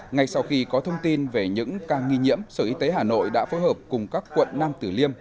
ngay sau khi có thông tin về những ca nghi nhiễm sở y tế hà nội đã phối hợp cùng các quận nam tử liêm